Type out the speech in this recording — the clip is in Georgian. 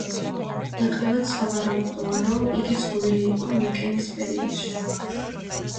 ნაკლებად სავარაუდოა, რომ იგი ცნობილი იყო მიკენის პერიოდში.